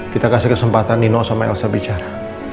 kita kasih kesempatan nino sama elsa bicara